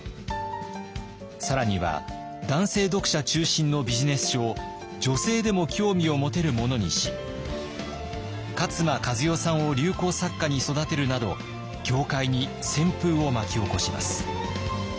更には男性読者中心のビジネス書を女性でも興味を持てるものにし勝間和代さんを流行作家に育てるなど業界に旋風を巻き起こします。